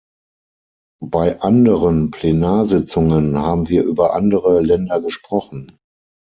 Bei anderen Plenarsitzungen haben wir über andere Länder gesprochen.